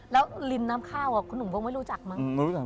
แล้วริมน้ำข้าวนุ่มเบอร์ไม่รู้จักมั้ง